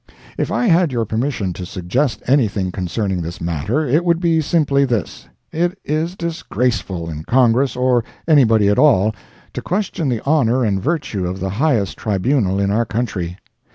If I had your permission to suggest anything concerning this matter, it would be simply this. It is disgraceful, in Congress, or anybody at all, to question the honor and virtue of the highest tribunal in our country.